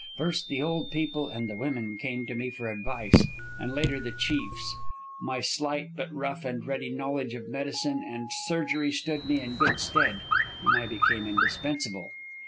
First the old people and the women came to me for advice, and later the chiefs. My slight but rough and ready knowledge of medicine and surgery stood me in good stead, and I became indispensable.